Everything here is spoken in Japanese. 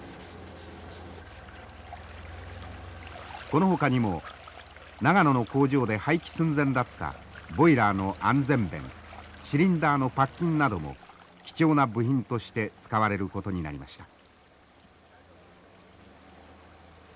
このほかにも長野の工場で廃棄寸前だったボイラーの安全弁シリンダーのパッキンなども貴重な部品として使われることになりました。